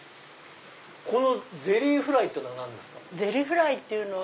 このゼリーフライってのは何ですか？